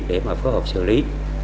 để mà phối hợp xử lý